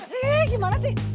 hei gimana sih